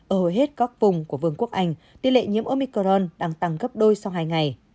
ở hầu hết các vùng của vương quốc anh tỷ lệ nhiễm omicron đang tăng gấp đôi sau hai ngày